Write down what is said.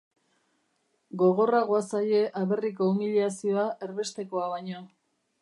Gogorragoa zaie aberriko umiliazioa erbestekoa baino.